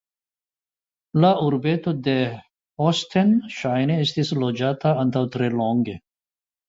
La urbeto de Hostens ŝajne estis loĝata antaŭ tre longe.